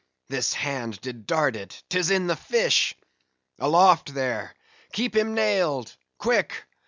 this hand did dart it!—'tis in the fish!—Aloft there! Keep him nailed—Quick!